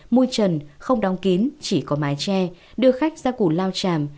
môi trần không đóng kín chỉ có mái tre đưa khách ra củ lao tràm